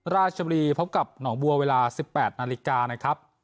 ราชบุรีพบกับหนองบัวเวลา๑๘นาฬิกานะครับ